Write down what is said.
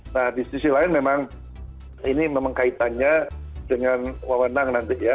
nah di sisi lain memang ini memang kaitannya dengan wawenang nanti ya